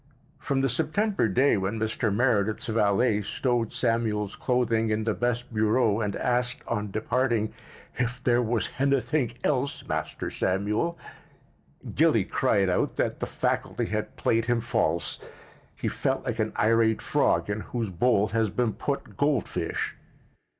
From the September day when Mr. Meredith's valet stowed Samuel's clothing in the best bureau and asked, on departing, "hif there was hanything helse, Master Samuel?" Gilly cried out that the faculty had played him false. He felt like an irate frog in whose bowl has been put goldfish.